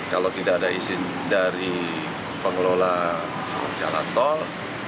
kalau tidak ada izin dari pengelola jalan tol